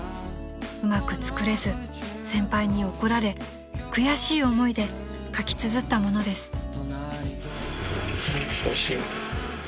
［うまく作れず先輩に怒られ悔しい思いで書きつづったものです］